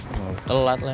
terlalu telat leni